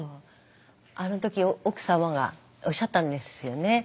あの時奥様がおっしゃったんですよね。